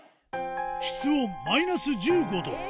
室温マイナス１５度。